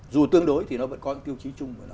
dù tương đối thì nó vẫn có những tiêu chí chung của nó